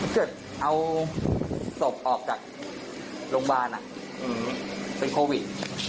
เกิดเอาศพออกจากโรงพยาบาลเป็นโควิด